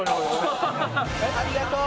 ありがとう！